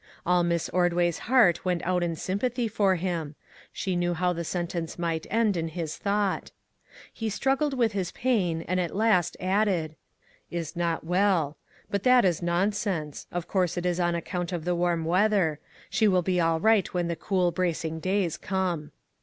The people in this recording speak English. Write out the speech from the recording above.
All Miss Ordway's heart went out in sympathy for him ; she knew how the sentence might end in his thought. He struggled with his pain and at last added " is not well ; but that is nonsense ; 284 " WHAT MADE YOU CHANGE ?" of course it is on account of the warm weather ; she will be all right when the cool bracing days come."